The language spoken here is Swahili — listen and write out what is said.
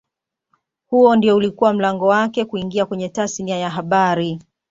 Huo ndio ulikuwa mlango wake kuingia kwenye tasnia ya habari